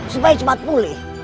supaya cepat pulih